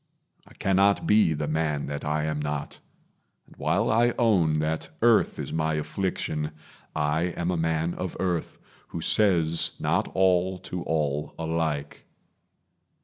I cannot be the man that I am not; And while I own that earth is my affliction, I am a man of earth, who says not all To all alike.